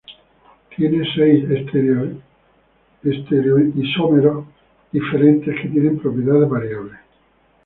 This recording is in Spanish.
Tiene seis estereoisómeros diferentes que tienen propiedades variables.